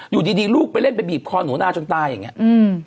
อยู่ดีลูกไปเร่งไปบีบคอหนูนาจนตายอย่างนี้